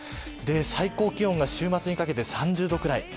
最高気温は週末にかけて３０度ぐらい。